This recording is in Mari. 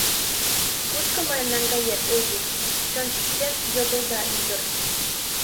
— Кушко мыйым наҥгает, Эдик? — чон чӱчкен йодылда ӱдыр.